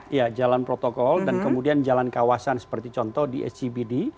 iya jalan protokol dan kemudian jalan kawasan seperti contoh di scbd